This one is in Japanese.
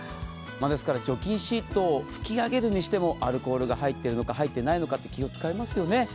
除菌シートを拭き上げるにしてもアルコールが入っているのか、入っていないのかって気を使いますよね。